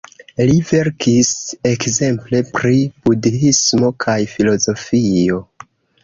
Li verkis ekzemple pri budhismo kaj filozofio.